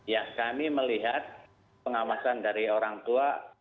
ya kami melihat pengawasan dari orang tua